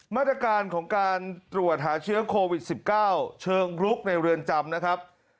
มาตรการของการตรวจหาเชื้อโควิด๑๙เชิงรุกในเรือนจำนะครับ